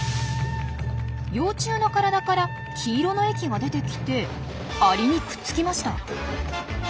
幼虫の体から黄色の液が出てきてアリにくっつきました。